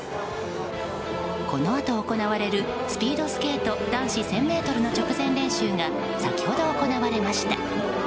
このあと行われるスピードスケート男子１０００ｍの直前練習が先ほど行われました。